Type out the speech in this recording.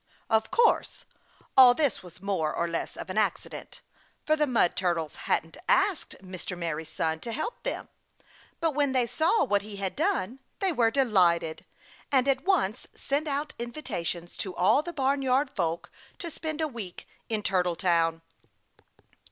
Of course, all this was more or less of an accident, for the Mud Turtles hadn't asked Mr. Merry Sun to help them. But when they saw what he had done, they were delighted, and at once sent out invitations to all the Barnyard Folk to spend a week in Turtle Town.